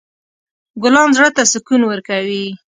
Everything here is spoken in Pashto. ګلان زړه ته سکون ورکوي.